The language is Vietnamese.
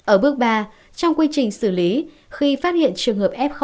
ở bước ba trong quy trình xử lý khi phát hiện trường hợp f một